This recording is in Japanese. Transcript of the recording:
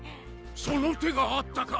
その手があったか。